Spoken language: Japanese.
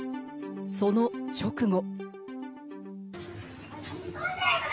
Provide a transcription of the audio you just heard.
その直後。